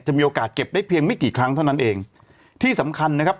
มีโอกาสเก็บได้เพียงไม่กี่ครั้งเท่านั้นเองที่สำคัญนะครับ